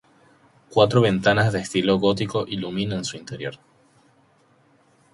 Cuatro ventanas de estilo gótico iluminan su interior.